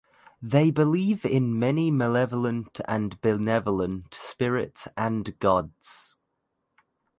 They believe in many malevolent and benevolent spirits and gods.